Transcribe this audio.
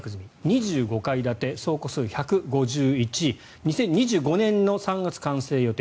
２５階建て総戸数１５１２０２５年の３月完成予定。